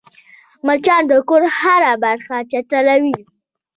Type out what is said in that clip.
مچان د کور هره برخه چټلوي